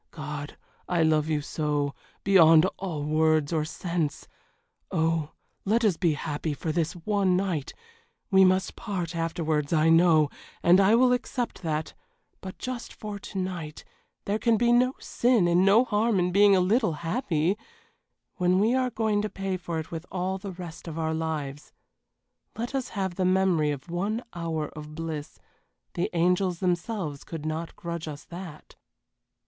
God! I love you so beyond all words or sense Oh, let us be happy for this one night we must part afterwards I know, and I will accept that but just for to night there can be no sin and no harm in being a little happy when we are going to pay for it with all the rest of our lives. Let us have the memory of one hour of bliss the angels themselves could not grudge us that."